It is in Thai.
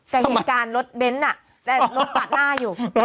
แต่เห็นการรถเบสน่ะเอารถขาดหน้าอยู่